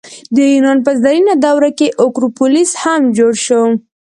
د یونان په زرینه دوره کې اکروپولیس هم جوړ شو.